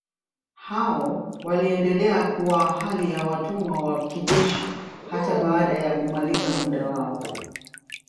Hao waliendelea kuwa hali ya watumwa wa kijeshi hata baada ya kumaliza muda wao.